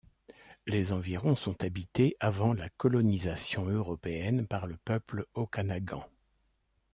Les environs sont habités avant la colonisation européenne par le peuple Okanagan.